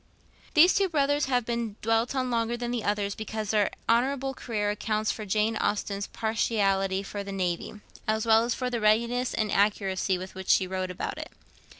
These two brothers have been dwelt on longer than the others because their honourable career accounts for Jane Austen's partiality for the Navy, as well as for the readiness and accuracy with which she wrote about it.